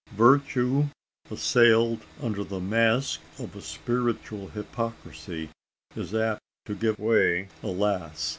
Virtue, assailed under the mask of a spiritual hypocrisy, is apt to give way alas!